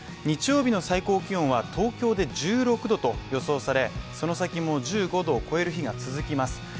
日曜日の最高気温は東京で１６度と予想され、その先も１５度を超える日が続きます。